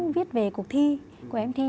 viết về cuộc thi của em thi